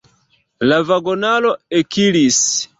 La vagonaro ekiris.